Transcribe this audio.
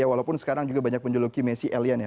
walaupun sekarang juga banyak menjeluki messi alien ya